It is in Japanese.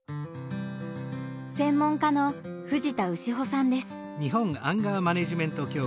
専門家の藤田潮さんです。